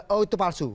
oh itu palsu